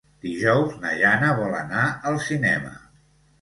Dijous na Jana vol anar al cinema.